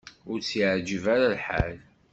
Ur tt-yeɛjib ara lḥal.